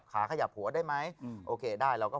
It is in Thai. นายควรไม่อยากจะมา